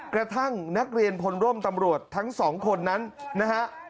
กระทั่งนักเรียนพลร่มตำรวจทั้งสองคนนั้นนะฮะ